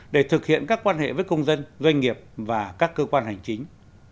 để thực hiện các quan hệ với công dân doanh nghiệp và các cơ quan hành chính